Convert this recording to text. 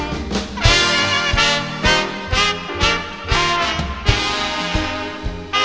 สวัสดีทุกคนก็ดีเลยว่ะ